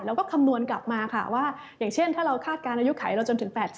คำนวณกลับมาค่ะว่าอย่างเช่นถ้าเราคาดการณอายุไขเราจนถึง๘๐